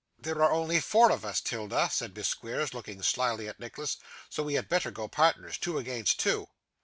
'There are only four of us, 'Tilda,' said Miss Squeers, looking slyly at Nicholas; 'so we had better go partners, two against two.